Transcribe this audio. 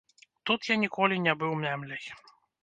Тут я ніколі не быў мямляй.